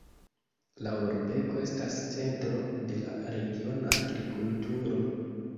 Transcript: La urbego estas centro de la regiona agrikulturo.